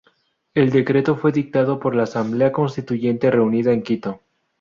El decreto fue dictado por la Asamblea Constituyente reunida en Quito.